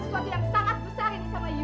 saya masih ada bapak saya